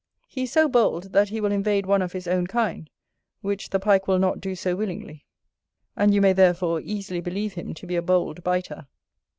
He is so bold that he will invade one of his own kind, which the Pike will not do so willingly; and you may, therefore, easily believe him to be a bold biter.